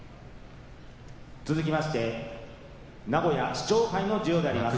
続きまして名古屋市長杯の授与であります。